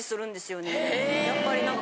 やっぱりなんか。